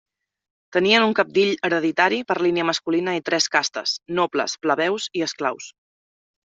Tenien un cabdill hereditari per línia masculina i tres castes: nobles, plebeus i esclaus.